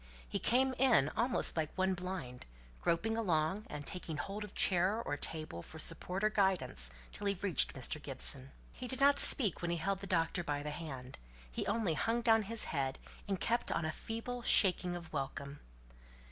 He came in almost like one blind, groping along, and taking hold of chair or table for support or guidance till he reached Mr. Gibson. He did not speak when he held the doctor by the hand; he only hung down his head, and kept on a feeble shaking of welcome.